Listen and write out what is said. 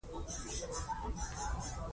غول د وینې د کموالي نښه وي.